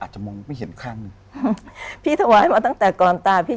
คุณซูซี่คุณซูซี่คุณซูซี่